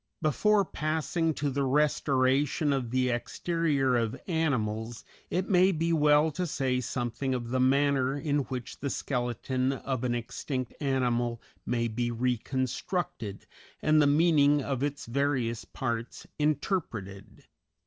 Before passing to the restoration of the exterior of animals it may be well to say something of the manner in which the skeleton of an extinct animal may be reconstructed and the meaning of its various parts interpreted.